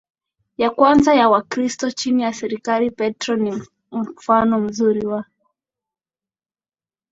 ya kwanza ya Wakristo chini ya serikali Petro ni mfano mzuri wa